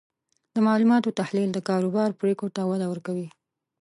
د معلوماتو تحلیل د کاروبار پریکړو ته وده ورکوي.